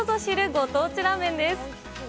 ご当地ラーメンです。